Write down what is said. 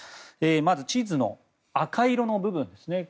まず、地図の赤色の部分ですね。